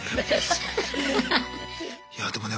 いやあでもね